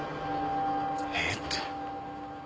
「ええ」って。